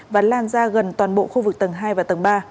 và lan ra gần toàn bộ khu vực tầng hai và tầng ba